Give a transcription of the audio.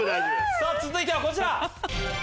続いてはこちら。